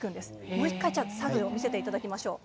もう１回作業を見せていただきましょう。